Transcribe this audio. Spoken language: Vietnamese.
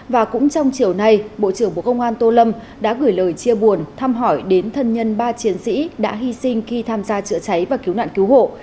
và cũng trong chiều nay bộ trưởng bộ công an tô lâm đã gửi lời chia buồn thăm hỏi đến thân nhân ba chiến sĩ đã hy sinh khi tham gia chữa cháy và cứu nạn cứu hộ